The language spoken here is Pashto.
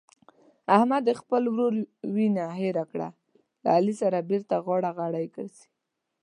احمد د خپل ورور وینه هېره کړه له علي سره بېرته غاړه غړۍ ګرځي.